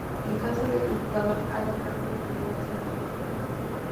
En caso de que el jugador haga trampa el ganador será el otro.